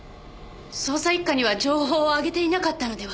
捜査一課には情報はあげていなかったのでは？